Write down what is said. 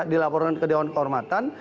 dilaporin ke dewan kehormatan